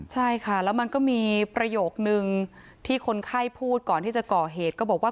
ใช่ค่ะแล้วมันก็มีประโยคนึงที่คนไข้พูดก่อนที่จะก่อเหตุก็บอกว่า